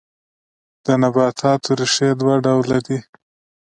د نباتاتو ریښې دوه ډوله دي